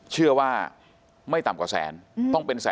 เชื่อว่าไม่ต่ำกว่าแสนต้องเป็นแสน